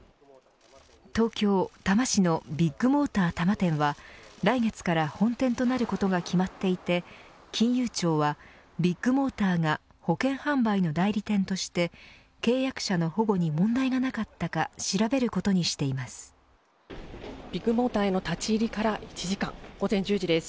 東京・多摩市のビッグモーター多摩店は来月から本店となることが決まっていて金融庁は、ビッグモーターが保険販売の代理店として契約者の保護に問題がなかったかビッグモーターへの立ち入りから１時間午前１０時です。